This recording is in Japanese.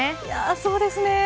そうですね。